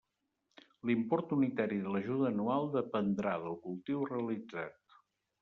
L'import unitari de l'ajuda anual dependrà del cultiu realitzat.